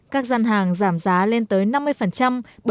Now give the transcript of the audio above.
các gian hàng giảm giá lên tới năm mươi bảy mươi với nhiều sản phẩm thiết yếu